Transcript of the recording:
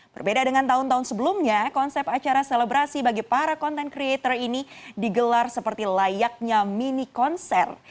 berbeda dengan tahun tahun sebelumnya konsep acara selebrasi bagi para content creator ini digelar seperti layaknya mini konser